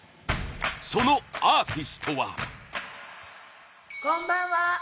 そのアーティストは大黒：こんばんは！